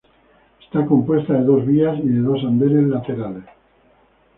Está compuesta de dos vías y de dos andenes laterales.